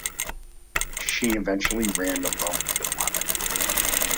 She eventually ran the loan department.